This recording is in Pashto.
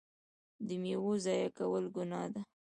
د میوو ضایع کول ګناه ده.